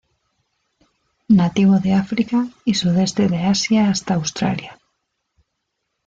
Nativo de África y sudeste de Asia hasta Australia.